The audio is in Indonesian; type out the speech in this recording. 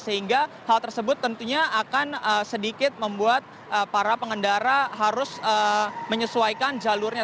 sehingga hal tersebut tentunya akan sedikit membuat para pengendara harus menyesuaikan jalurnya